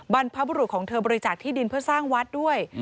บรรพบุรุษของเธอบริจาคที่ดินเพื่อสร้างวัดด้วย